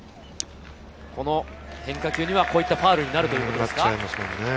この変化球にはこういったファウルになるということですか？